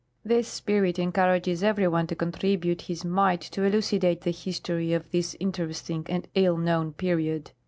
This spirit encourages every one to contribute his mite to elucidate the history of this interesting and ill known period.